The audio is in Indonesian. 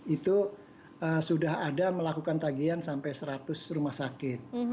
itu sudah ada melakukan tagian sampai seratus rumah sakit